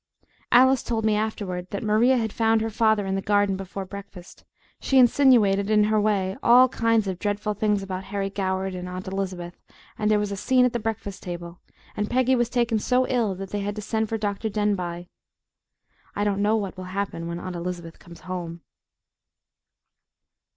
Alice told me afterward that Maria had found her father in the garden before breakfast. She insinuated, in HER way, all kinds of dreadful things about Harry Goward and Aunt Elizabeth, and there was a scene at the breakfast table and Peggy was taken so ill that they had to send for Dr. Denbigh. I don't know what will happen when Aunt Elizabeth comes home.